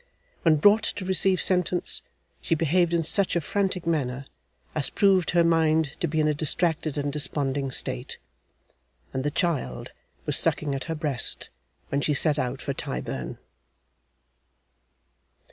When brought to receive sentence, she behaved in such a frantic manner, as proved her mind to be in a distracted and desponding state; and the child was sucking at her breast when she set out for Tyburn.